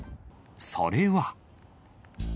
それは。